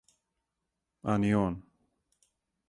А ни он.